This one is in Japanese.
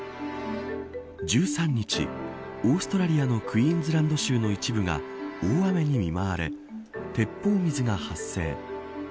１３日、オーストラリアのクイーンズランド州の一部が大雨に見舞われ鉄砲水が発生。